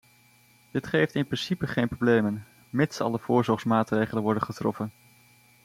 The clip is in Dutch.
Dit geeft in principe geen problemen, mits alle voorzorgsmaatregelen worden getroffen.